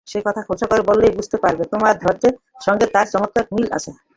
সে কথা খোলসা করে বললেই বুঝতে পারবে তোমার ধাতের সঙ্গে তার চমৎকার মিল আছে।